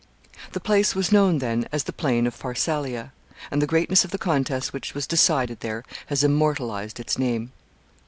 ] The place was known then as the plain of Pharsalia, and the greatness of the contest which was decided there has immortalized its name.